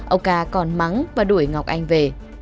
ông ca còn mắng và đuổi ngọc anh về